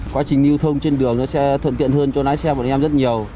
quá trình lưu thông trên đường nó sẽ thuận tiện hơn cho lái xe của anh em rất nhiều